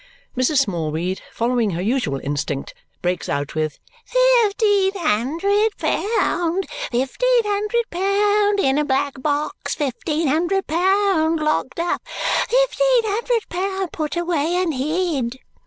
Mrs. Smallweed, following her usual instinct, breaks out with "Fifteen hundred pound. Fifteen hundred pound in a black box, fifteen hundred pound locked up, fifteen hundred pound put away and hid!"